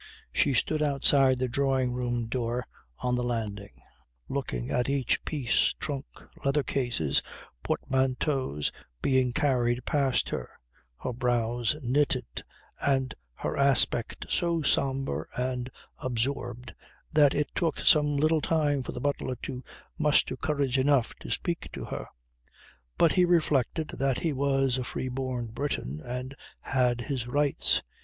She stood outside the drawing room door on the landing, looking at each piece, trunk, leather cases, portmanteaus, being carried past her, her brows knitted and her aspect so sombre and absorbed that it took some little time for the butler to muster courage enough to speak to her. But he reflected that he was a free born Briton and had his rights.